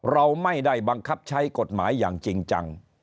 เราไม่ได้บังคับใช้กฎหมายอย่างจริงจัง